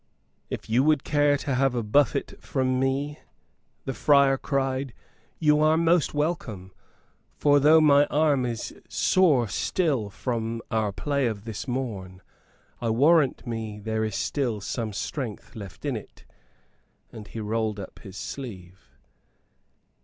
"If you would care to have a buffet from me," the friar cried, "you are most welcome. For though my arm is sore still from our play of this morn, I warrant me there is still some strength left in it;" and he rolled up his sleeve.